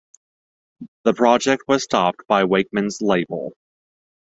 The project was stopped by Wakeman's label.